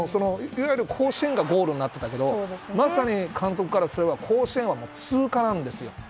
いわゆる甲子園がゴールになってたけどまさに監督は甲子園は通過なんですよ。